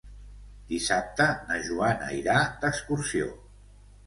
Dissabte na Joana irà d'excursió.